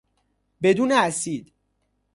بدون اسید